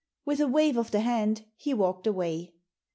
With a wave of the hand he walked away.